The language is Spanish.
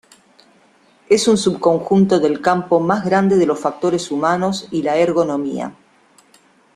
Es un subconjunto del campo más grande de los factores humanos y la ergonomía.